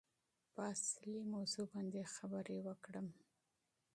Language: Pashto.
په اصلي موضوع باندې خبرې وکړم.